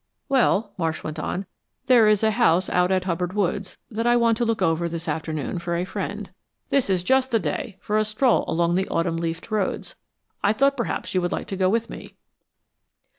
"Well," Marsh went on, "there is a house out at Hubbard Woods that I want to look over this afternoon for a friend. This is just the day for a stroll along the autumn leafed roads. I thought perhaps you would like to go with me."